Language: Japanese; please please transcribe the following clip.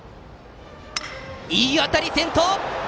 いい当たり、先頭！